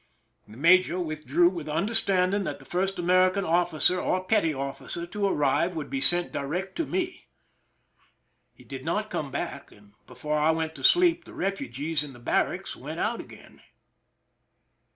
The major withdrew with the understanding that the first American 281 THE SINKING OF THE "MERRIMAC" officer or petty officer to arrive would be sent direct to me. He did not come back, and before I went to sleep the refugees in the barracks went out again.